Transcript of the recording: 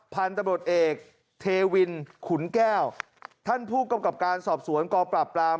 พันธุ์ตำรวจเอกเทวินขุนแก้วท่านผู้กำกับการสอบสวนกองปราบปราม